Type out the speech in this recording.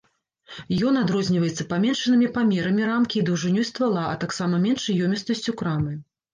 Ён адрозніваецца паменшанымі памерамі рамкі і даўжынёй ствала, а таксама меншай ёмістасцю крамы.